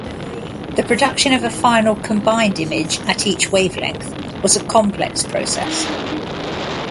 The production of a final combined image at each wavelength was a complex process.